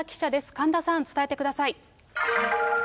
神田さん、伝えてください。